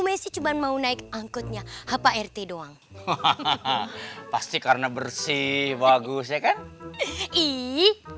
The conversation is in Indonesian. pasti cuma mau naik angkutnya hp rt doang hahaha pasti karena bersih bagus ya kan ii